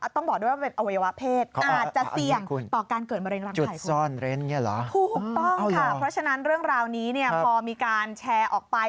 ถูกต้องค่ะเพราะฉะนั้นเรื่องราวนี้เนี่ยพอมีการแชร์ออกไป